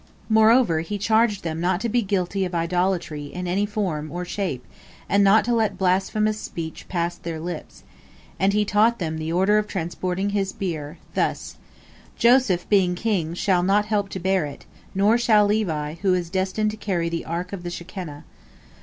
Moreover, he charged them not to be guilty of idolatry in any form or shape and not to let blasphemous speech pass their lips, and he taught them the order of transporting his bier, thus: "Joseph, being king, shall not help to bear it, nor shall Levi, who is destined to carry the Ark of the Shekinah.